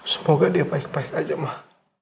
semoga dia baik baik saja mah